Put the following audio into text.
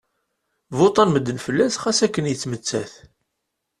Vuṭṭan medden fell-as xas akken yettmettat.